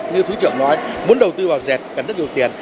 như thứ trưởng nói muốn đầu tư vào dệt cần rất nhiều tiền